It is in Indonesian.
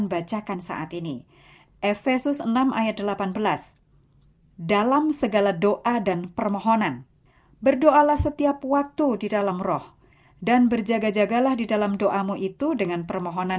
baiklah saudara pendengar radio advance